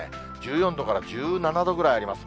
１４度から１７度ぐらいあります。